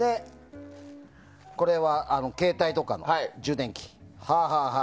これは携帯とかの充電器。